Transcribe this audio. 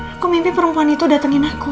aku mimpi perempuan itu datengin aku